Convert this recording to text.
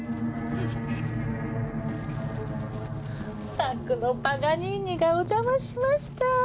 宅のパガニーニがお邪魔しました。